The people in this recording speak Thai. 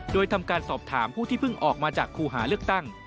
โดยทำการสอบถามผู้ที่เพิ่งออกมาจากครูหาเลือกตั้ง